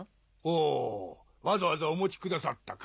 おわざわざお持ちくださったか。